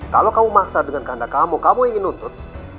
kalau kamu maksa dengan keandang kamu kamu ingin tuntut